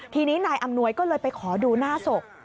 ทีนี้นายอำนวยก็เลยไปขอดูหน้าศพ